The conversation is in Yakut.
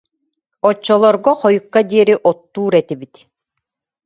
Оччо- лорго хойукка диэри оттуур этибит